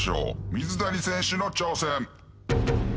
水谷選手の挑戦。